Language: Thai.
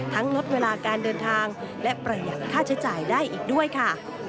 ลดเวลาการเดินทางและประหยัดค่าใช้จ่ายได้อีกด้วยค่ะ